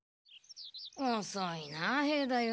おそいな兵太夫。